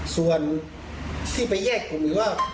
ส่วนที่ไปแยกคุณว่า